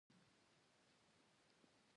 د پښتو کامن وایس ملګرتیا